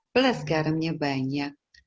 plus garamnya banyak